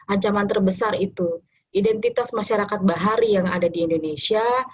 ancaman terbesar itu identitas masyarakat bahari yang ada di indonesia